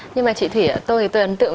nhưng mà chị thủy tôi thì tôi ấn tượng